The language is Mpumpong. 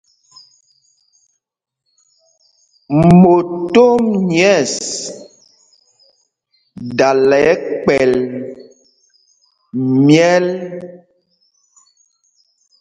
Motom nyɛ̂ɛs dala kpɛ̌l myɛl.